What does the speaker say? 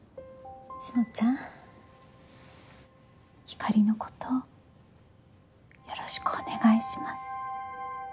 志乃ちゃんひかりのことよろしくお願いします